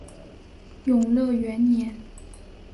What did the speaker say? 永乐元年。